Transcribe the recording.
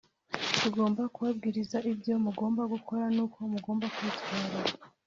tugomba kubabwiriza ibyo mugomba gukora nuko mugomba kwitwara